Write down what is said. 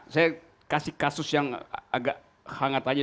saya kasih kasus yang agak hangat aja